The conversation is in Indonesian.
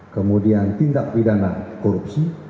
kemudian tindak pidana korupsi